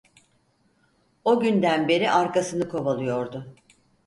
O günden beri arkasını kovalıyordu.